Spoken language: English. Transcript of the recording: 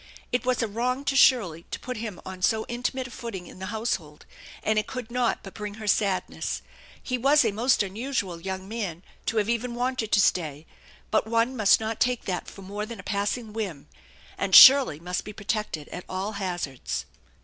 It was a wrong to Shirley to put him on so intimate a footing in the household, and it could not but bring her sadness. He was a most unusual young man to have even wanted to stay, but one must not take that for more than a passing whim, and Shirley must be protected at all hazards.